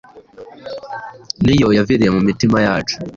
ni yo yaviriye mu mitima yacu,